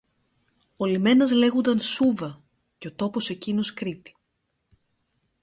Ο λιμένας λέγουνταν Σούδα, και ο τόπος εκείνος Κρήτη